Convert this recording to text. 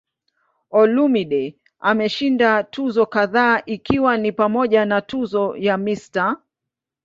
Olumide ameshinda tuzo kadhaa ikiwa ni pamoja na tuzo ya "Mr.